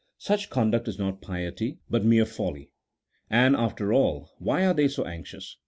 Such conduct is not piety, but mere folly. And, after all, why are they so anxious